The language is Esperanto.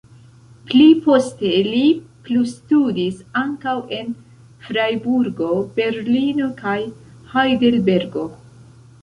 Pli poste li plustudis ankaŭ en Frajburgo, Berlino kaj Hajdelbergo.